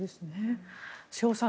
瀬尾さん